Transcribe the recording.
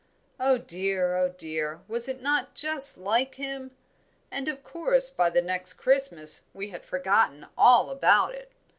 Oh, dear, oh, dear, was it not just like him? And of course by the next Christmas we had forgotten all about it."